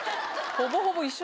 ほぼほぼ一緒。